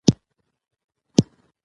افغانستان د ځمکه له امله شهرت لري.